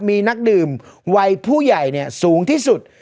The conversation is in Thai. มีนักดื่มวัยผู้ใหญ่สูงที่สุด